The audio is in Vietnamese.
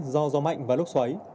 do gió mạnh và lốc xoáy